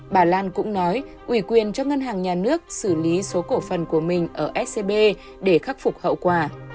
bà lan cũng nói ủy quyền cho ngân hàng nhà nước xử lý số cổ phần của mình ở scb để khắc phục hậu quả